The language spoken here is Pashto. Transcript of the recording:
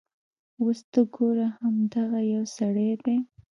اوس ته ګوره همدغه یو سړی دی.